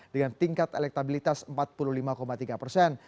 dengan tingkat elektabilitas empat puluh lima tiga persen